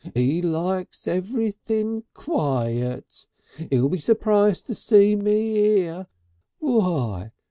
'E likes everything Quiet. He'll be surprised to see me 'ere! Why!